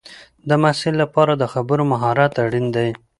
د محصل لپاره د خبرو مهارت اړین دی.